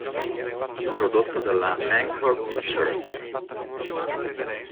Prodotto dalla Encore Pictures.